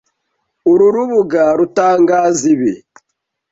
Uru rubuga rutangaza ibi